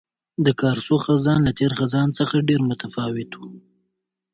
د کارسو خزان له تېر خزان څخه ډېر متفاوت وو.